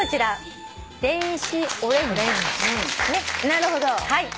なるほど。